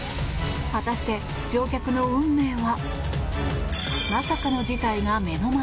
果たして乗客の運命は。